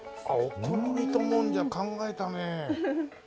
お好みともんじゃ考えたねえ。